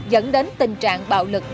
dẫn đến tình trạng bạo lực